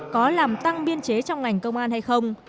có làm tăng biên chế trong ngành công an hay không